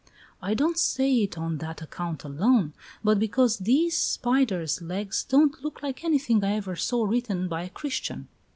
"I don't say it on that account alone, but because these spider's legs don't look like anything I ever saw written by a Christian."